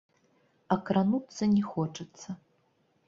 А крануцца не хочацца.